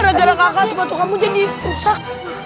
raja raja kakak sebab itu kamu jadi rusak